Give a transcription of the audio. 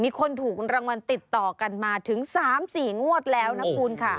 มีคนถูกรางวัลติดต่อกันมาถึง๓๔งวดแล้วนะคุณค่ะ